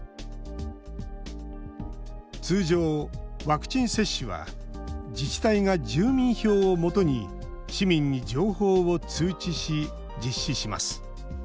通常、ワクチン接種は自治体が住民票をもとに市民を情報を通知し実施します。